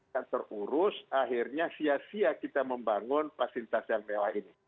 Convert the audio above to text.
dan setelah itu akhirnya siap siap kita membangun fasilitas yang mewah ini